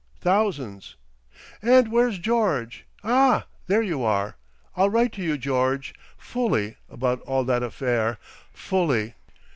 Thousands! And where's George? Ah! there you are! I'll write to you, George, fully, about all that affair. Fully!"